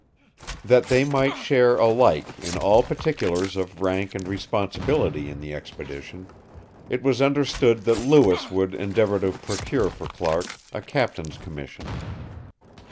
That they might share alike in all particulars of rank and responsibility in the expedition, it was understood that Lewis would endeavor to procure for Clark a captain's commission.